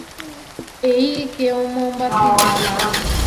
এই কেউ মোমবাতি জ্বালা!